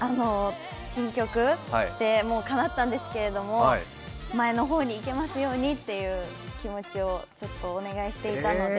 新曲、もうかなったんですけれども前の方に行けますようにっていう気持ちをお願いしていたので。